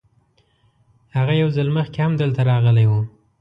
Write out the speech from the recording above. هغه یو ځل مخکې هم دلته راغلی و.